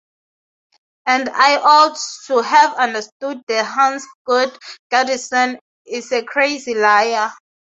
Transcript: And I ought to have understood that Hans Gude Gudesen is a crazy liar.